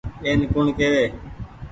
اين ڪوڻ ڪيوي۔